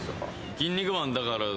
『キン肉マン』のだから。